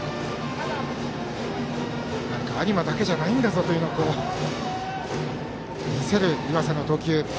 有馬だけじゃないぞというのを見せる岩瀬の投球。